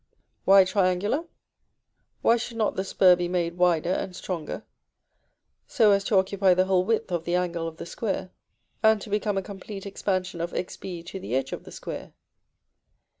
Why triangular? Why should not the spur be made wider and stronger, so as to occupy the whole width of the angle of the square, and to become a complete expansion of Xb to the edge of the square?